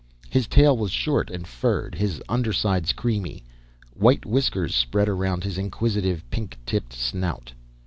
His tail was short and furred, his undersides creamy. White whiskers spread around his inquisitive, pink tipped snout.